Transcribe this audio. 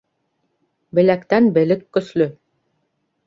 Беләктән белек көслө.